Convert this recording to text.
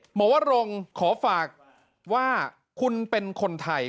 วรงขอฝากว่าคุณเป็นคนไทย